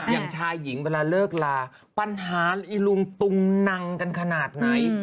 อย่างชายหญิงเวลาเลิกลาปัญหาอีลุงตุงนังกันขนาดไหน